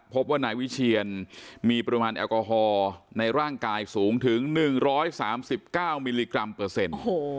พบว่านายวิเชียนมีปริมาณแอลกอฮอล์ในร่างกายสูงถึง๑๓๙มิลลิกรัมเปอร์เซ็นต์